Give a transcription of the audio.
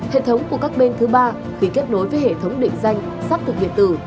hệ thống của các bên thứ ba khi kết nối với hệ thống định danh xác thực điện tử